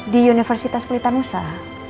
di universitas pelitan usaha